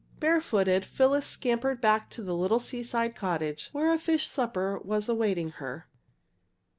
Barefooted Phyllis scampered back to the little seaside cottage, where a fish supper was awaiting her.